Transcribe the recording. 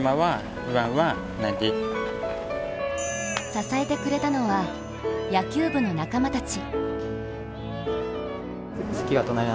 支えてくれたのは、野球部の仲間たち。